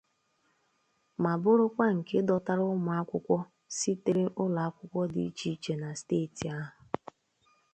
ma bụrụkwa nke dọtara ụmụakwụkwọ sitere ụlọakwụkwọ dị iche iche na steeti ahụ